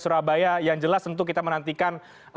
surabaya yang jelas tentu kita menantikan